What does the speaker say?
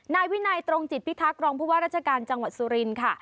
นายวินัยตรงจิตพิทักษ์รองผู้ว่าราชการจังหวัดสุรินทร์ค่ะ